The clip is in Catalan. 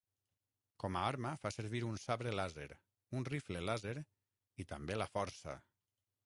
Com a arma, fa servir un sabre làser, un rifle làser, i també la Força.